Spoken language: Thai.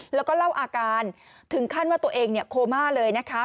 แล้วก็เล่าอาการถึงขั้นว่าตัวเองเนี่ยโคม่าเลยนะคะ